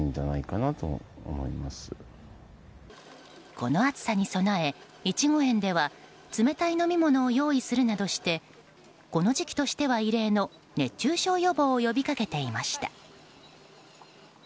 この暑さに備え、イチゴ園では冷たい飲み物を用意するなどしてこの時期としては異例の熱中症予防を呼びかけていました。